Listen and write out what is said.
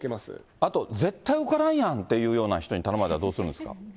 あと、絶対受からんやんみたいな人に頼まれたらどうするんですか？